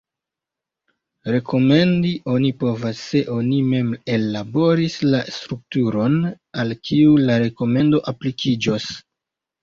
Rekomendi oni povas se oni mem ellaboris la strukturon al kiu la rekomendo aplikiĝos.